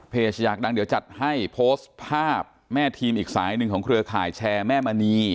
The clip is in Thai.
อยากดังเดี๋ยวจัดให้โพสต์ภาพแม่ทีมอีกสายหนึ่งของเครือข่ายแชร์แม่มณี